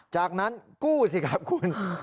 จากนั้นกู้สิครับคุณ